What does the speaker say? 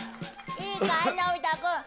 いいかい、のび太君。